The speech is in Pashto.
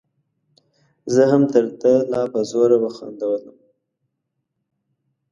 زه هم تر ده لا په زوره وخندلم.